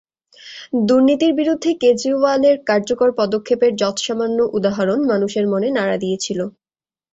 দুর্নীতির বিরুদ্ধে কেজরিওয়ালের কার্যকর পদক্ষেপের যৎসামান্য উদাহরণ মানুষের মনে নাড়া দিয়েছিল।